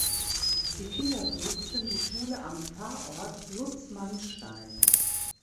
Die Kinder besuchten die Schule am Pfarrort Lutzmannstein.